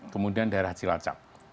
kemudian daerah cilacap